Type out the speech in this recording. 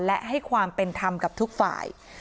และให้ความเป็นธรรมกับทุกฝ่าย